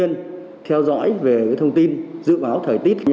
đối với người dân theo dõi về thông tin dự báo thời tiết